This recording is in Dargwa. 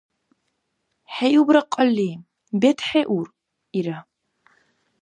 — ХӀейубра кьалли, бетхӀеур, — ира.